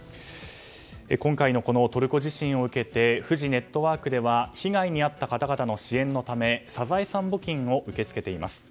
今回のトルコ地震を受けてフジネットワークでは被害に遭った方々の支援のためサザエさん募金を受け付けています。